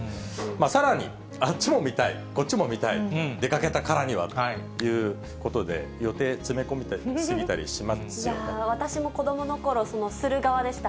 さらにあっちも見たい、こっちも見たい、出かけたからにはということで、私も子どものころ、する側でした。